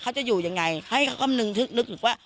เขาจะอยู่ยังไงให้เขากำนึงนึกถึงว่า